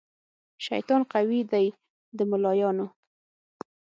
شیطان قوي دی د ملایانو